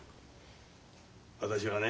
私はね